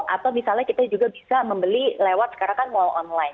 atau misalnya kita juga bisa membeli lewat sekarang kan mall online